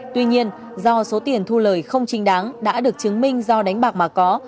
tuy nhiên do số tiền thu lời không chính đáng đã được chứng minh do đánh bạc mà có